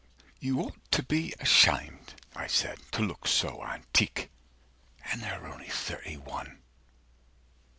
155 You ought to be ashamed, I said, to look so antique. (And her only thirty one.)